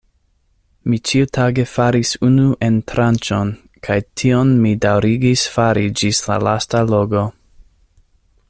Mi ĉiutage faris unu entranĉon, kaj tion mi daŭrigis fari ĝis la lasta logo.